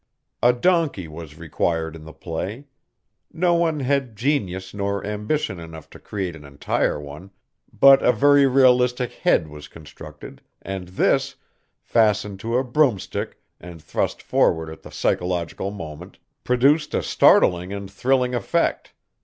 A donkey was required in the play. No one had genius nor ambition enough to create an entire one, but a very realistic head was constructed, and this, fastened to a broomstick and thrust forward at the psychological moment, produced a startling and thrilling effect.